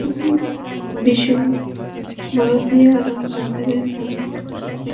বিষু বরদিয়া আড়ং বাজারের নয়ন জুয়েলার্স নামে একটি স্বর্ণের দোকানের কর্মচারী ছিলেন।